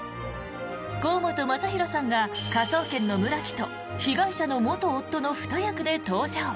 甲本雅裕さんが科捜研の村木と被害者の元夫の２役で登場。